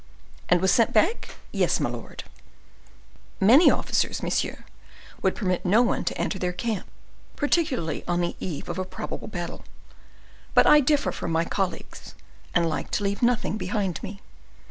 "And was sent back? Yes, my lord." "Many officers, monsieur, would permit no one to enter their camp, particularly on the eve of a probable battle. But I differ from my colleagues, and like to leave nothing behind me.